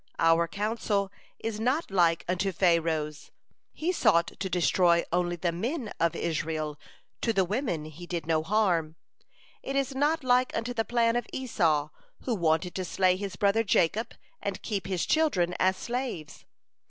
Our counsel is not like unto Pharaoh's; he sought to destroy only the men of Israel; to the women he did no harm. It is not like unto the plan of Esau, who wanted to slay his brother Jacob and keep his children as slaves.